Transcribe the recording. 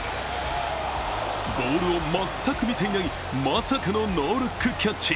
ボールを全く見ていない、まさかのノールックキャッチ。